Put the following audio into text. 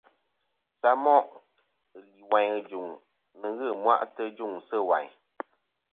Samoʼ lìwàyn î jùŋ nɨ̀ ghɨ ɨmwaʼtɨ ɨ jûŋ sɨ̂ wàyn.